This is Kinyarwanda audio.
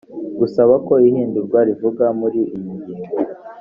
gusaba ko ihindurwa rivugwa muri iyi ngingo